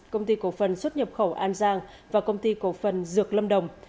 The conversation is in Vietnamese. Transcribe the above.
công ty cổ phần xuất nhập khẩu an giang và công ty cổ phần dược lâm đồng